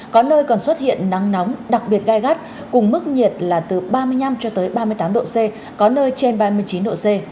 có nơi còn xuất hiện nắng nóng đặc biệt gai gắt cùng mức nhiệt là từ ba mươi năm cho tới ba mươi tám độ c có nơi trên ba mươi chín độ c